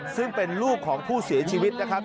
ซึ่งเป็นลูกของผู้เสียชีวิตนะครับ